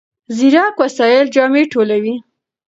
ځیرک وسایل جامې ټولوي.